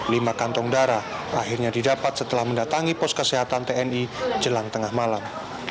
lima kantong darah akhirnya didapat setelah mendatangi pos kesehatan tni jelang tengah malam